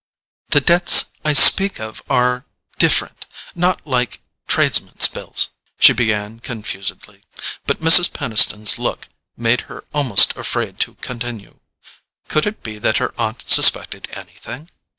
"The debts I speak of are—different—not like tradesmen's bills," she began confusedly; but Mrs. Peniston's look made her almost afraid to continue. Could it be that her aunt suspected anything?